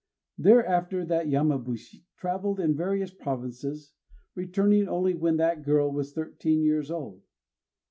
_ Thereafter that Yamabushi travelled in various provinces; returning only when that girl was thirteen years old.